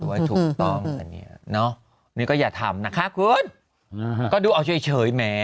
ว่าถูกต้องอันนี้เนอะนี่ก็อย่าทำนะคะคุณก็ดูเอาเฉยแหม